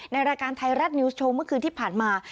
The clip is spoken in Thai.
ในรายการไทยรัฐนิวส์โชว์เมื่อคืนที่ผ่านมา